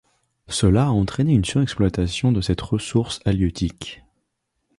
Cela a entraîné une surexploitation de cette ressource halieutique.